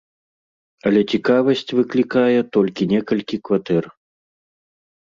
Але цікавасць выклікае толькі некалькі кватэр.